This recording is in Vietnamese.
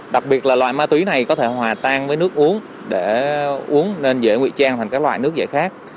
đặc biệt là loại ma túy này có thể hòa tan với nước uống để uống nên dễ nguy trang thành các loại nước dễ khác